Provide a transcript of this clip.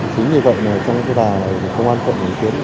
chính vì vậy trong thời gian này công an quận bình kiếm